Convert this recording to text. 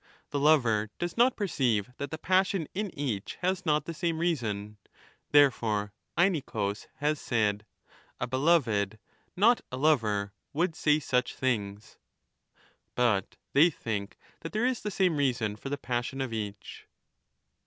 The lover does not perceive that the passion in each has not ' the same reason ; therefore Aenicus has said ' a beloved, not a lover> would say such things '.* But they think that there is the same reason for the passion of each.